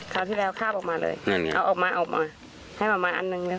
คราวที่แล้วข้าวออกมาเลยนั่นเนี่ยเอาออกมาออกมาให้มันมาอันนึงเร็ว